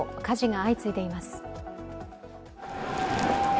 火事が相次いでいます。